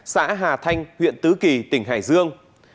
xã hà thanh huyện tứ kỳ tỉnh hải dương